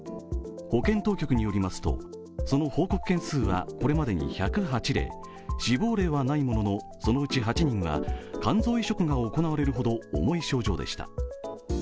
保健当局によりますと、その報告件数はこれまでに１０８例死亡例はないもののそのうち８人が、肝臓移植が行われるほど、重い症状でした。